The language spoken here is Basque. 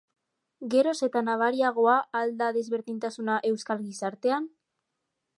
Geroz eta nabariagoa al da desberdintasuna euskal gizartean?